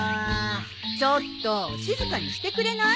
ちょっと静かにしてくれない？